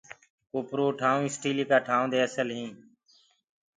ڪوپرو ڪو ٺآئون اسٽيلي ڪآ ٽآئونٚ دي اسل هي۔